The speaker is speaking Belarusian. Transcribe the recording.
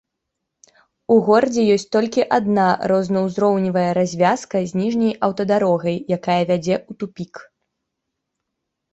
У горадзе ёсць толькі адна рознаўзроўневая развязка з ніжняй аўтадарогай, якая вядзе ў тупік.